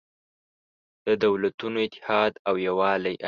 د دولتونو اتحاد او یووالی